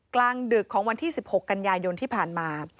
กลางดึกของวันที่๑๖กันยายนที่ผ่านมา